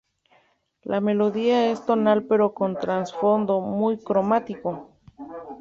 La melodía es tonal pero con un "trasfondo muy cromático".